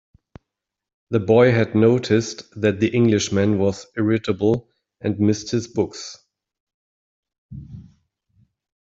The boy had noticed that the Englishman was irritable, and missed his books.